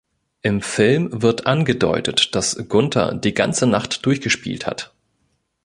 Im Film wird angedeutet, dass Gunther die ganze Nacht durchgespielt hat.